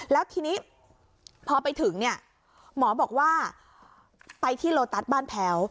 แล้วทีนี้พอไปถึงเนี่ยหมอบอกว่าไปที่โลตัสบ้านแพ้ว